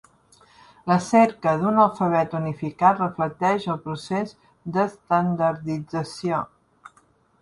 La cerca d'un alfabet unificat reflecteix el procés d'estandardització.